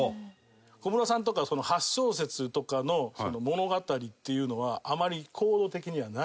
小室さんとかは８小節とかの物語というのはあまりコード的にはないんですよね